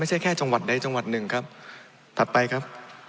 ไม่ใช่แค่จังหวัดใดจังหวัดหนึ่งครับ